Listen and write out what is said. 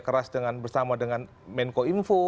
keras bersama dengan menko info